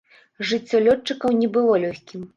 Жыццё лётчыкаў не было лёгкім.